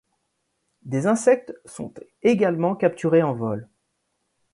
Des insectes sont également capturés en vol.